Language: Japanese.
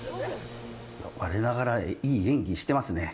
我ながらいい演技してますね。